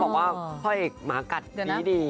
พ่อเอกพ่อเอกหมากัดดี